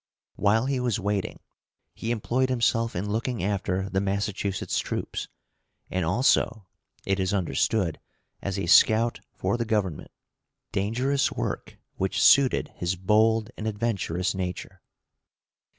While he was waiting, he employed himself in looking after the Massachusetts troops, and also, it is understood, as a scout for the Government, dangerous work which suited his bold and adventurous nature.